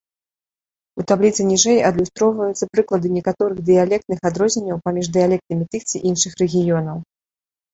У табліцы ніжэй адлюстроўваюцца прыклады некаторых дыялектных адрозненняў паміж дыялектамі тых ці іншых рэгіёнаў.